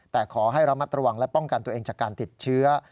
แต่ขอให้ระมัดระวังและป้องกันตัวเองจากการติดเชื้อ